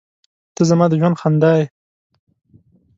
• ته زما د ژوند خندا یې.